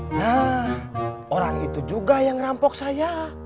hah orang itu juga yang ngerampok saya